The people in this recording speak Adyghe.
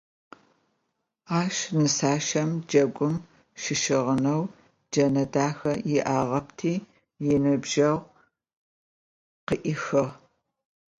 Ащ нысащэм джэгум щыщыгъынэу джэнэ дахэ иӏагъэпти, иныбджэгъу къыӏихыгъ.